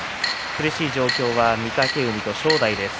苦しい状況は御嶽海と正代です。